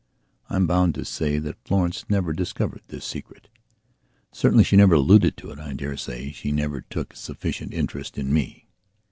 I am bound to say that Florence never discovered this secret. Certainly she never alluded to it; I dare say she never took sufficient interest in me.